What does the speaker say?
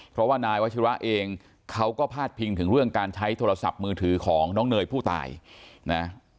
เพราะว่านายวัชิระเองเขาก็พาดพิงถึงเรื่องการใช้โทรศัพท์มือถือของน้องเนยผู้ตายนะ